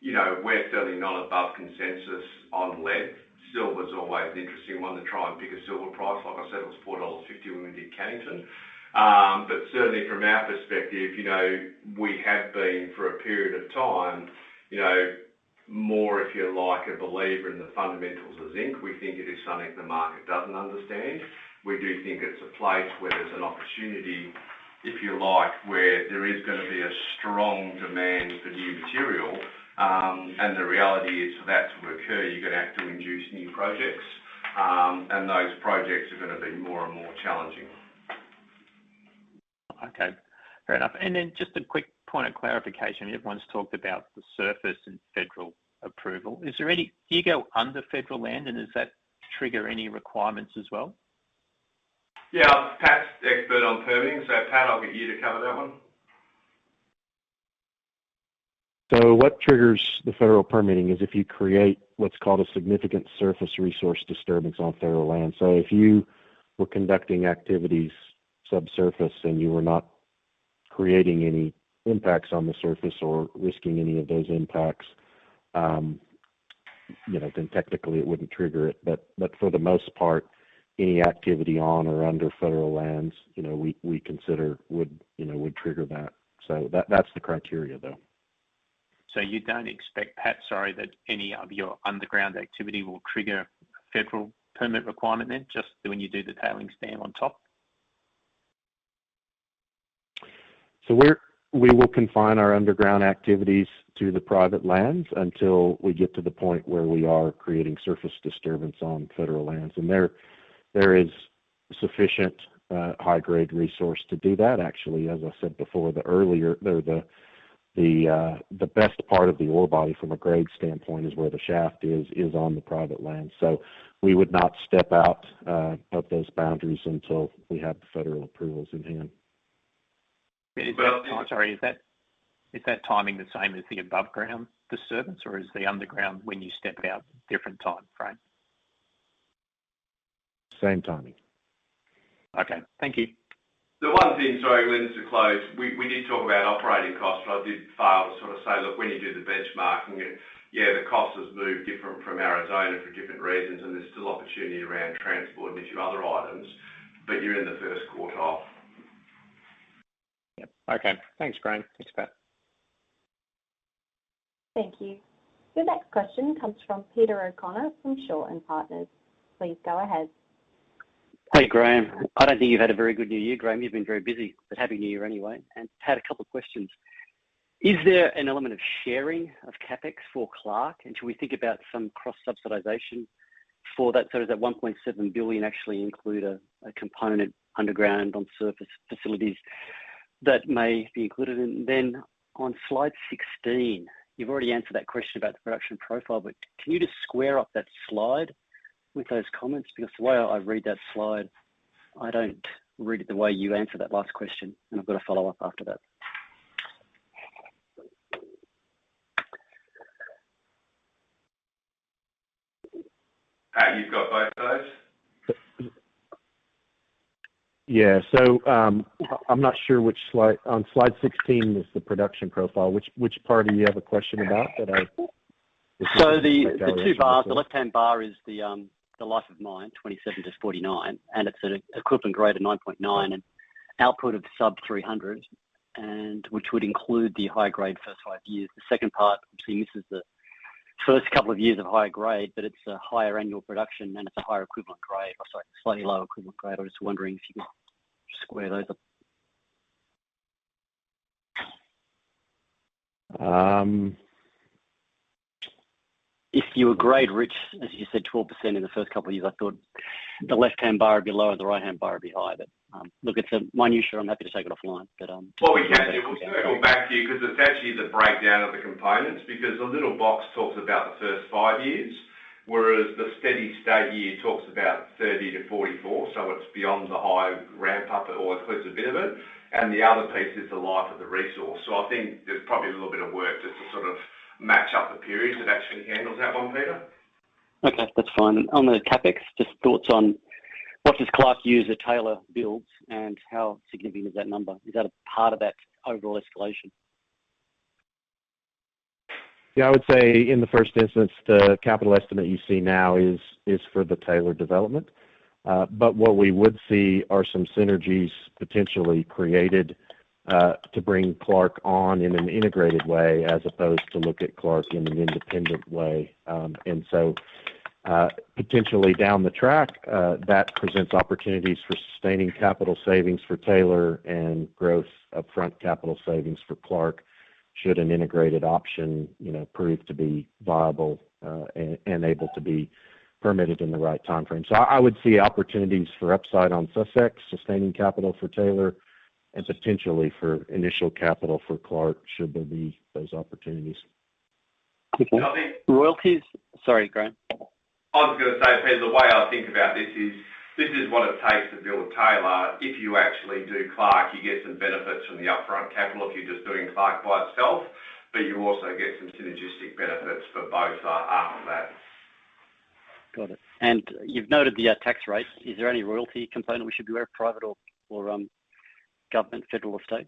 you know, we're certainly not above consensus on lead. Silver is always an interesting one to try and pick a silver price. Like I said, it was $4.50 when we did Cannington. Certainly from our perspective, you know, we have been for a period of time, you know, more, if you like, a believer in the fundamentals of zinc. We think it is something the market doesn't understand. We do think it's a place where there's an opportunity, if you like, where there is gonna be a strong demand for new material. The reality is for that to occur, you're gonna have to induce new projects. Those projects are gonna be more and more challenging. Okay. Fair enough. Just a quick point of clarification. Everyone's talked about the surface and federal approval. Is there any? Do you go under federal land? Does that trigger any requirements as well? Yeah. Pat's the expert on permitting. Pat, I'll get you to cover that one. What triggers the federal permitting is if you create what's called a significant surface resource disturbance on federal land. If you were conducting activities subsurface, and you were not creating any impacts on the surface or risking any of those impacts, you know, then technically it wouldn't trigger it. But for the most part, any activity on or under federal lands, you know, we consider would trigger that. That's the criteria, though. You don't expect, Pat, sorry, that any of your underground activity will trigger a federal permit requirement then, just when you do the tailings dam on top? We will confine our underground activities to the private lands until we get to the point where we are creating surface disturbance on federal lands. There is sufficient high-grade resource to do that actually. As I said before, the best part of the ore body from a grade standpoint is where the shaft is on the private land. We would not step out of those boundaries until we have the federal approvals in hand. But- Is that timing the same as the above ground disturbance, or is the underground when you step out different timeframe? Same timing. Okay. Thank you. The one thing, sorry, Glyn, just to close. We did talk about operating costs, but I did fail to sort of say, look, when you do the benchmarking, and, yeah, the cost has moved different from Arizona for different reasons, and there's still opportunity around transport and a few other items, but you're in the first quarter. Yep. Okay. Thanks, Graham. Thanks, Pat. Thank you. The next question comes from Peter O'Connor from Shaw and Partners. Please go ahead. Hey, Graham. I don't think you've had a very good new year, Graham. You've been very busy, but happy new year anyway. I had a couple of questions. Is there an element of sharing of CapEx for Clark, and should we think about some cross-subsidization for that? Does that $1.7 billion actually include a component underground on surface facilities that may be included? On Slide 16, you've already answered that question about the production profile, but can you just square up that slide with those comments? Because the way I read that slide, I don't read it the way you answered that last question, and I've got a follow-up after that. Pat, you've got both those? I'm not sure which slide. On Slide 16 is the production profile. Which part do you have a question about that I... The two bars. The left-hand bar is the life of mine, 27-49, and it's at an equivalent grade of 9.9 and output of sub 300, which would include the high grade first 5 years. The second part, which I think this is the first couple of years of high grade, but it's a higher annual production and it's a higher equivalent grade. Or sorry, slightly lower equivalent grade. I'm just wondering if you can square those up. If you were grade rich, as you said, 12% in the first couple of years, I thought the left-hand bar would be lower, the right-hand bar would be higher. But look, it's a minutiae. I'm happy to take it offline, but, Well, we can. We'll come back to you because it's actually the breakdown of the components because the little box talks about the first five years, whereas the steady state year talks about 30-44, so it's beyond the high ramp up or it includes a bit of it, and the other piece is the life of the resource. I think there's probably a little bit of work just to sort of match up the periods. It actually handles that one, Peter. Okay, that's fine. On the CapEx, just thoughts on what does Clark use a Taylor build and how significant is that number? Is that a part of that overall escalation? Yeah, I would say in the first instance, the capital estimate you see now is for the Taylor development. What we would see are some synergies potentially created to bring Clark on in an integrated way as opposed to look at Clark in an independent way. Potentially down the track, that presents opportunities for sustaining capital savings for Taylor and growth upfront capital savings for Clark should an integrated option, you know, prove to be viable, and able to be permitted in the right timeframe. I would see opportunities for upside on success, sustaining capital for Taylor, and potentially for initial capital for Clark should there be those opportunities. Okay. Royalties. Sorry, Graham. I was gonna say, Peter, the way I think about this is, this is what it takes to build Taylor. If you actually do Clark, you get some benefits from the upfront capital if you're just doing Clark by itself, but you also get some synergistic benefits for both after that. Got it. You've noted the tax rate. Is there any royalty component we should be aware of, private or government, federal or state?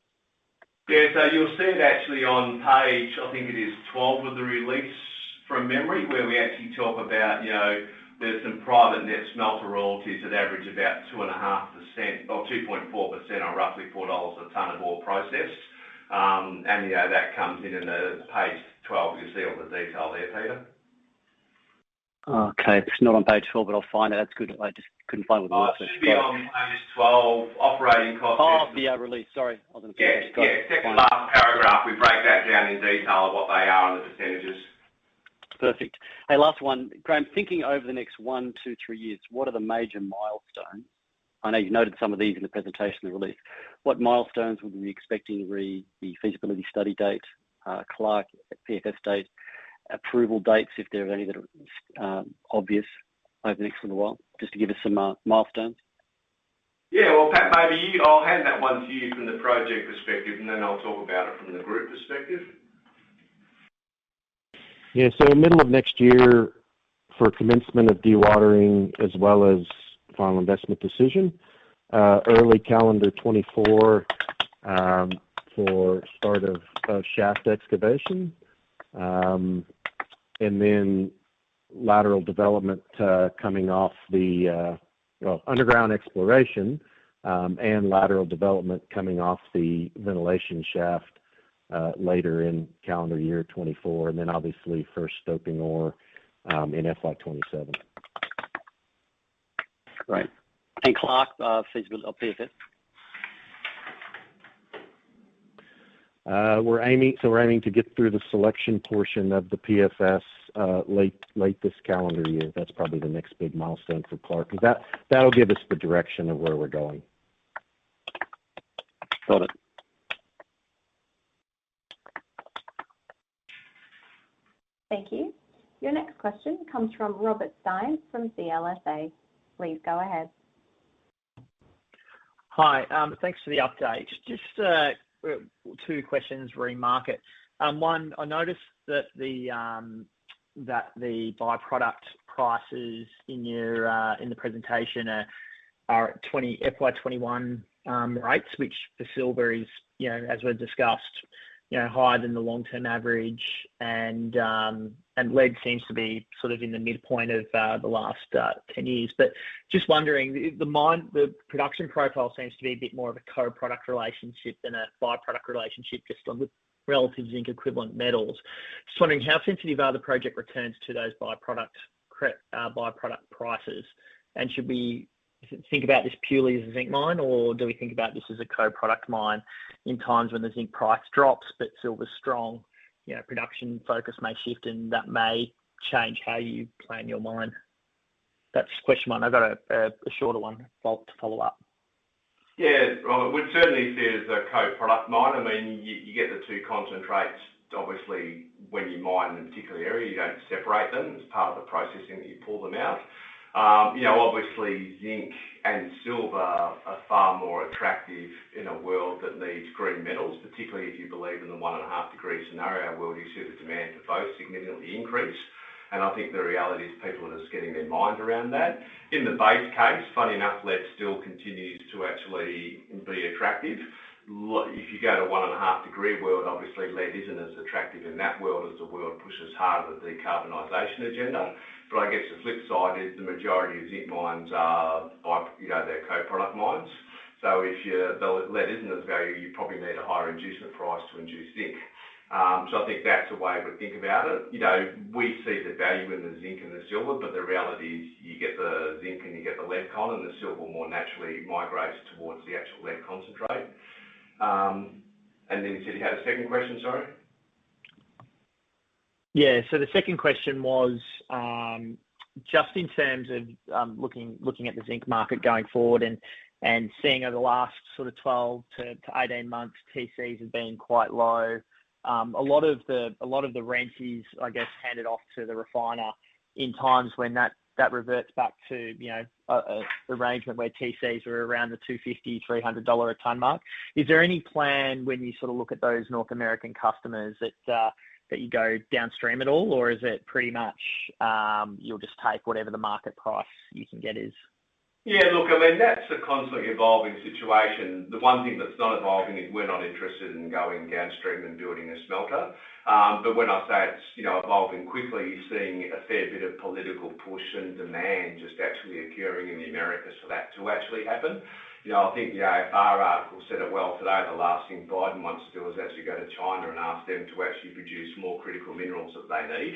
You'll see it actually on page, I think it is 12 of the release from memory, where we actually talk about, you know, there's some private net smelter royalties that average about 2.5% or 2.4% on roughly $4 a ton of ore processed. You know, that comes in on page 12. You'll see all the detail there, Peter. Okay. It's not on page twelve, but I'll find it. That's good. I just couldn't find where the It should be on page 12, operating cost. Oh, the release. Sorry. I wasn't Yeah, yeah. Second to last paragraph. We break that down in detail of what they are on the percentages. Perfect. Last one, Graham. Thinking over the next one to three years, what are the major milestones? I know you noted some of these in the presentation release. What milestones would we be expecting re, the feasibility study date, Clark PFS date, approval dates, if there are any that are obvious over the next little while, just to give us some milestones. Well, Pat, I'll hand that one to you from the project perspective, and then I'll talk about it from the group perspective. Yeah. Middle of next year for commencement of dewatering as well as final investment decision. Early calendar 2024 for start of shaft excavation. Underground exploration and lateral development coming off the ventilation shaft later in calendar year 2024, and then obviously first stoping ore in FY 2027. Great. Clark, or PFS? We're aiming to get through the selection portion of the PFS late this calendar year. That's probably the next big milestone for Clark 'cause that'll give us the direction of where we're going. Got it. Thank you. Your next question comes from Robert Stein from CLSA. Please go ahead. Hi. Thanks for the update. Just two questions re, market. One, I noticed that the by-product prices in your presentation are at FY 2021 rates, which for silver is, you know, as we discussed, you know, higher than the long-term average and lead seems to be sort of in the midpoint of the last 10 years. Just wondering, the mine production profile seems to be a bit more of a co-product relationship than a by-product relationship just on the relative zinc equivalent metals. Just wondering how sensitive are the project returns to those by-product prices, and should we think about this purely as a zinc mine or do we think about this as a co-product mine in times when the zinc price drops but silver's strong? You know, production focus may shift, and that may change how you plan your mine. That's question one. I've got a shorter one to follow up. Yeah. Well, it would certainly see it as a co-product mine. I mean, you get the two concentrates. Obviously, when you mine in a particular area, you don't separate them. It's part of the processing that you pull them out. You know, obviously, zinc and silver are far more attractive in a world that needs green metals, particularly if you believe in the 1.5-degree scenario where you see the demand for both significantly increase. I think the reality is people are just getting their minds around that. In the base case, funny enough, lead still continues to actually be attractive. If you go to 1.5-degree world, obviously, lead isn't as attractive in that world as the world pushes hard with the decarbonization agenda. I guess the flip side is the majority of zinc mines are byproduct, you know, they're co-product mines. So the lead isn't as valuable, you probably need a higher inducement price to induce zinc. I think that's the way we think about it. You know, we see the value in the zinc and the silver, but the reality is you get the zinc and you get the lead concentrate, and the silver more naturally migrates towards the actual lead concentrate. Then you said you had a second question, sorry? Yeah. The second question was, just in terms of, looking at the zinc market going forward and seeing over the last sort of 12-18 months, TCs have been quite low. A lot of the rent is, I guess, handed off to the refiner in times when that reverts back to, you know, a arrangement where TCs are around the $250-$300 a ton mark. Is there any plan when you sort of look at those North American customers that you go downstream at all? Or is it pretty much, you'll just take whatever the market price you can get is? Yeah, look, I mean, that's a constantly evolving situation. The one thing that's not evolving is we're not interested in going downstream and building a smelter. When I say it's, you know, evolving quickly, you're seeing a fair bit of political push and demand just actually occurring in the Americas for that to actually happen. You know, I think the AFR article said it well today. The last thing Biden wants to do is actually go to China and ask them to actually produce more critical minerals that they need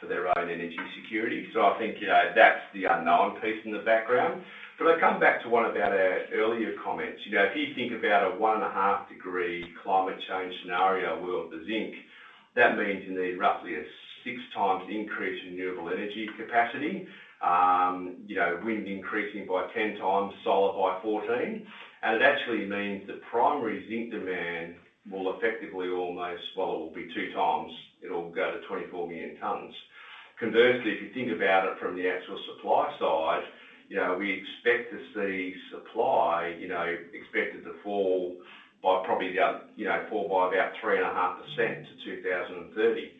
for their own energy security. I think, you know, that's the unknown piece in the background. I come back to one of our earlier comments. You know, if you think about a 1.5-degree climate change scenario world of zinc, that means you need roughly a six times increase in renewable energy capacity. You know, wind increasing by 10x, solar by 14. It actually means that primary zinc demand will effectively almost, well, it will be 2x. It’ll go to 24 million tons. Conversely, you know, we expect to see supply, you know, expected to fall by about 3.5% to 2030.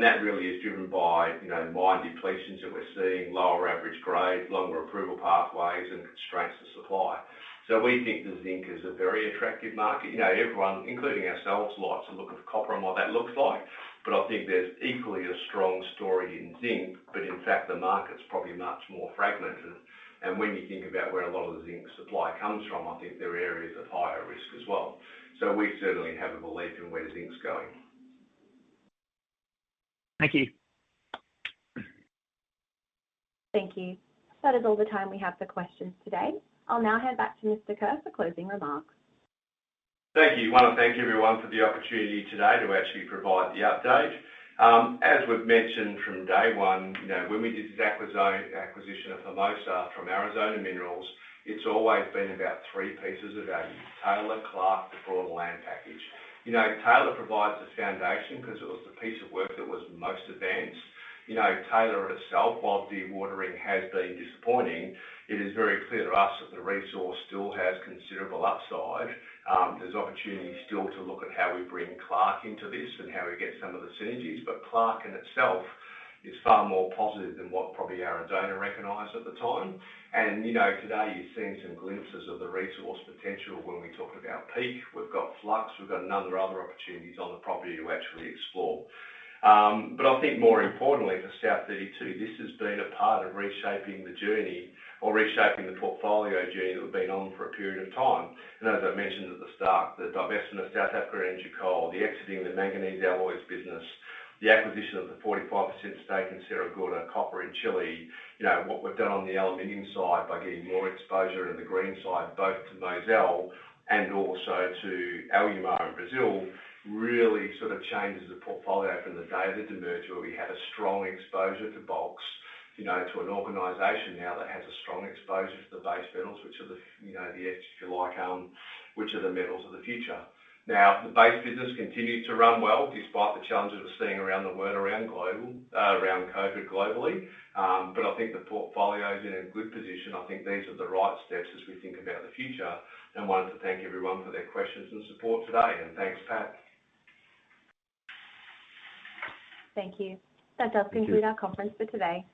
That really is driven by, you know, mine depletions that we’re seeing, lower average grade, longer approval pathways and constraints to supply. We think the zinc is a very attractive market. You know, everyone, including ourselves, likes to look at copper and what that looks like. I think there’s equally a strong story in zinc, but in fact, the market’s probably much more fragmented. When you think about where a lot of the zinc supply comes from, I think there are areas of higher risk as well. We certainly have a belief in where zinc is going. Thank you. Thank you. That is all the time we have for questions today. I'll now hand back to Mr. Kerr for closing remarks. Thank you. I wanna thank everyone for the opportunity today to actually provide the update. As we've mentioned from day one, you know, when we did this acquisition of Hermosa from Arizona Mining, it's always been about three pieces of value: Taylor, Clark, the broader land package. You know, Taylor provides the foundation 'cause it was the piece of work that was most advanced. You know, Taylor itself, while dewatering has been disappointing, it is very clear to us that the resource still has considerable upside. There's opportunity still to look at how we bring Clark into this and how we get some of the synergies. Clark in itself is far more positive than what probably Arizona recognized at the time. You know, today, you've seen some glimpses of the resource potential when we talk about Peak. We've got flux, we've got a number of other opportunities on the property to actually explore. I think more importantly for South32, this has been a part of reshaping the journey or reshaping the portfolio journey that we've been on for a period of time. As I mentioned at the start, the divestment of South Africa Energy Coal, the exiting the manganese alloys business, the acquisition of the 45% stake in Sierra Gorda in Chile. You know, what we've done on the aluminum side by getting more exposure into the green side, both to Mozal and also to Alumar in Brazil, really sort of changes the portfolio from the day of the demerger, where we had a strong exposure to bulks, you know, to an organization now that has a strong exposure to the base metals, which are the, you know, the edge, if you like, which are the metals of the future. Now, the base business continues to run well despite the challenges we're seeing around COVID globally. But I think the portfolio is in a good position. I think these are the right steps as we think about the future. Wanted to thank everyone for their questions and support today. Thanks, Pat. Thank you. Thank you. That does conclude our conference for today.